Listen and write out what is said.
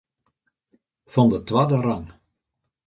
Fan de twadde rang.